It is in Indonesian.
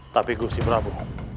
tapi gusti prabu